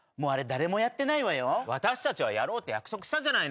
私たちはやろうって約束したじゃないのよ。